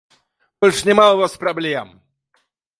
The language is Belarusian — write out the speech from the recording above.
Больш няма ў вас праблем!